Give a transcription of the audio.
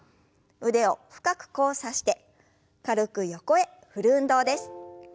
腕を深く交差して軽く横へ振る運動です。